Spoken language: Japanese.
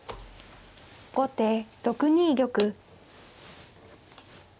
後手６ニ玉。